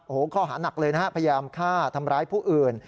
โอ้โหข้อหานักเลยนะฮะพยายามฆ่าทำร้ายผู้อื่น